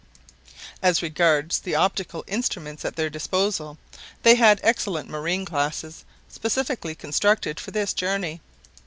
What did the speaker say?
As regards the optical instruments at their disposal, they had excellent marine glasses specially constructed for this journey.